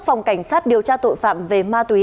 phòng cảnh sát điều tra tội phạm về ma túy